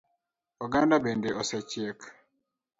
Oganda bende osechiek?